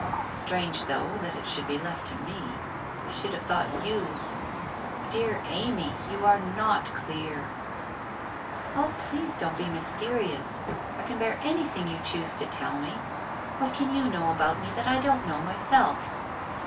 Strange, though, that it should be left to me. I should have thought you Dear Amy, you are not clear ' 1 Oh, please don't be mysterious. I can bear anything you choose to tell me. What can you know about me that I don't know myself